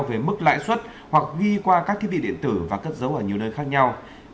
về mức lãi suất hoặc ghi qua các thiết bị điện tử và cất dấu ở nhiều nơi khác nhau